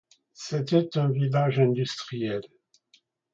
C'était un village industriel.